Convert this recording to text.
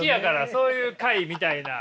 そういう会みたいな。